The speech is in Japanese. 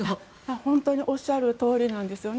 本当におっしゃるとおりなんですよね。